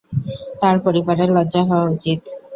তার পরিবারের লজ্জা হওয়া উচিত।